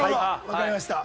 わかりました。